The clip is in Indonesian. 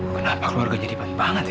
kenapa keluarganya dibagi banget ya